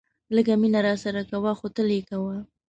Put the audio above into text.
لږ مینه راسره کوه خو تل یې کوه.